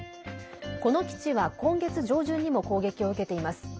この基地は今月上旬にも攻撃を受けています。